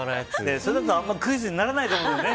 それだとあんまりクイズにならないかもね。